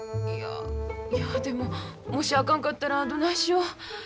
いやいやでももしあかんかったらどないしよ。